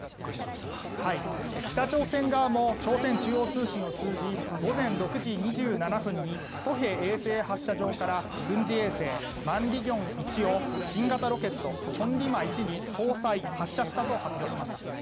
北朝鮮側も朝鮮中央通信を通じ午前６時２７分に西海衛星発射場から軍事衛星、万里鏡１を新型ロケット千里馬１に搭載・発射したと発表しました。